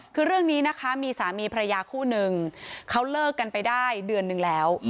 คือเรื่องนี้นะคะมีสามีภรรยาคู่นึงเขาเลิกกันไปได้เดือนนึงแล้ว